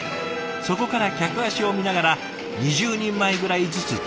そこから客足を見ながら２０人前ぐらいずつ追加。